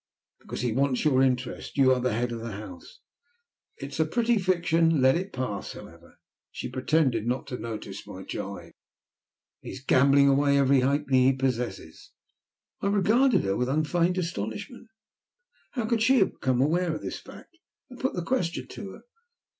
"Because he wants your interest. You are the head of the house." "It is a pretty fiction let it pass however." She pretended not to notice my gibe. "He is gambling away every halfpenny he possesses." I regarded her with unfeigned astonishment. How could she have become aware of this fact? I put the question to her.